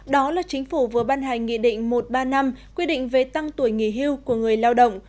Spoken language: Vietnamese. đó là chính phủ vừa ban hành nghị định một trăm ba mươi năm quy định về tăng tuổi nghỉ hưu của người lao động